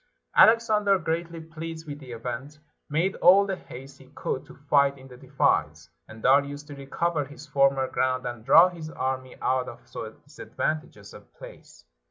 Alexander, greatly pleased with the event, made all the haste he could to fight in the defiles, and Darius to recover his former ground, and draw his army out of so disadvantageous a place.